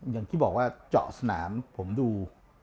อย่างที่บอกว่าเจาะสนามผมดู